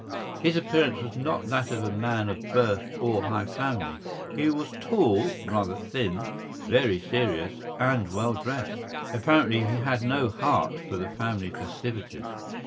His appearance was not that of a man of birth or high family. He was tall, rather thin, very serious, and well dressed. Apparently he had no heart for the family festivities.